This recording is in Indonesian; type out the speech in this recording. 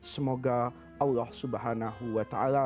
semoga allah swt